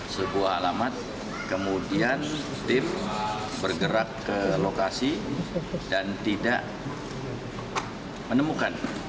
sebuah alamat kemudian tim bergerak ke lokasi dan tidak menemukan